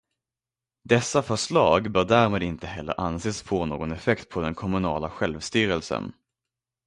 Dessa förslag bör därmed inte heller anses få någon effekt på den kommunala självstyrelsen.